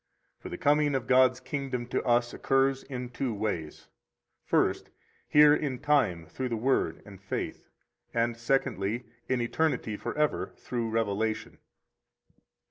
53 For the coming of God's Kingdom to us occurs in two ways; first, here in time through the Word and faith; and secondly, in eternity forever through revelation.